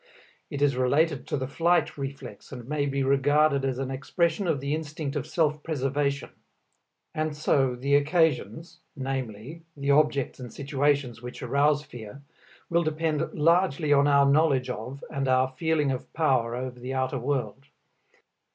It is related to the flight reflex and may be regarded as an expression of the instinct of self preservation. And so the occasions, viz., the objects and situations which arouse fear, will depend largely on our knowledge of and our feeling of power over the outer world.